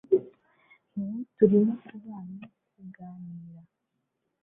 Ubu turimo kubana kuganira